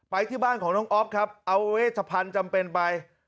ที่บ้านของน้องอ๊อฟครับเอาเวชพันธุ์จำเป็นไป